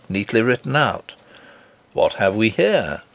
neatly written out. "What have we here?"